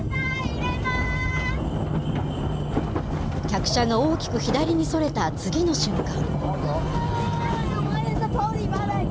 客車が大きく左にそれた次の瞬間。